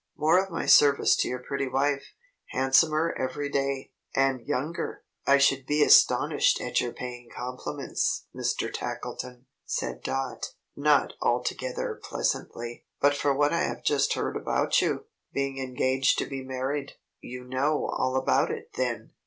More of my service to your pretty wife. Handsomer every day and younger!" "I should be astonished at your paying compliments, Mr. Tackleton," said Dot, not altogether pleasantly, "but for what I have just heard about you being engaged to be married." "You know all about it, then?"